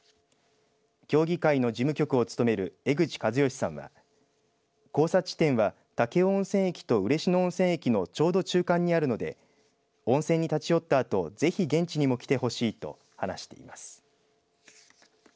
協議会の事務局を務める江口和義さんは交差地点は武雄温泉駅と嬉野温泉駅のちょうど中間にあるので温泉に立ち寄ったあとぜひ現地にも来てほしいと話しています。